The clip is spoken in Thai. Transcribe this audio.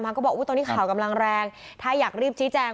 ก็บอกตอนนี้ข่าวกำลังแรงถ้าอยากรีบชี้แจง